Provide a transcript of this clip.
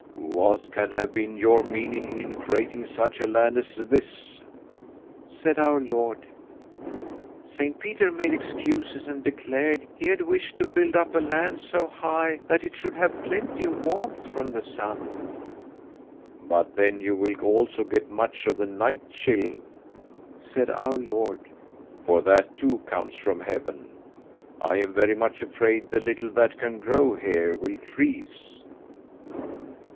"'What can have been your meaning in creating such a land as this?' said our Lord. Saint Peter made excuses, and declared he had wished to build up a land so high that it should have plenty of warmth from the sun. 'But then you will also get much of the night chill,' said our Lord, 'for that too comes from heaven. I am very much afraid the little that can grow here will freeze.'